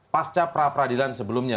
pasca pra peradilan sebelumnya